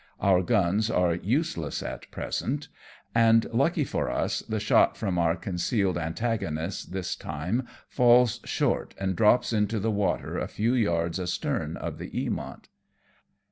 Our guns are useless at present, and, lucky for us, the shot from our concealed antagonist this time falls short, and drops into the water a few yards astern of the Eamont.